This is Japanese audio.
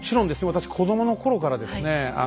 私子どもの頃からですね